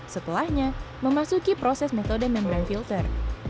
setelahnya memasuki proses metode membran filter